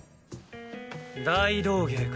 大道芸か？